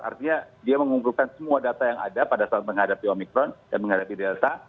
artinya dia mengumpulkan semua data yang ada pada saat menghadapi omikron dan menghadapi delta